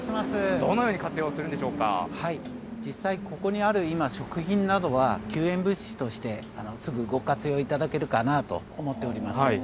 どのように活用するんでしょ実際、ここにある、今、食品などは救援物資として、すぐ、ご活用いただけるかなと思っております。